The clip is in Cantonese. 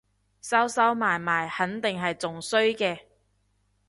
收收埋埋肯定係仲衰嘅